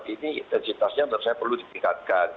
ini intensitasnya harus saya tingkatkan